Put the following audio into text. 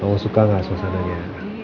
kamu suka gak suasananya